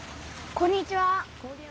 こんにちは。